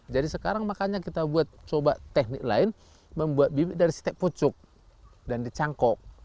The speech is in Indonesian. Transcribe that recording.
jadi sekarang makanya kita coba teknik lain membuat bibit dari setiap pucuk dan dicangkok